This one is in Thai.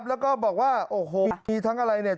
แล้วก็บอกว่าโอ้โหเมื่อกี้ทั้งอะไรเนี่ย